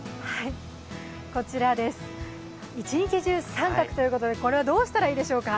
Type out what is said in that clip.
こちらです、１日中△ということでこれはどうしたらいいでしょうか？